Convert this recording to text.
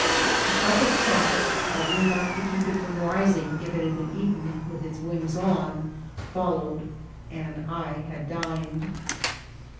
A eup of chocolate, heavy enough to keep it from rising if it had been eaten with its wings on, followed, and I had dined.